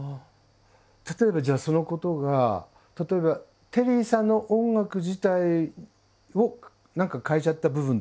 例えばじゃあそのことが例えばテリーさんの音楽自体を何か変えちゃった部分ってありますか？